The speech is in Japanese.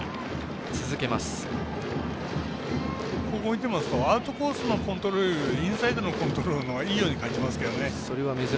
見てますと、アウトコースのコントロールよりインサイドのコントロールのほうがいいように感じますね。